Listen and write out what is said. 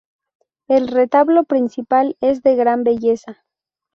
El retablo principal es de gran belleza.